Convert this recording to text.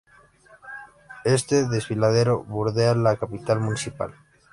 Este desfiladero bordea la capital municipal.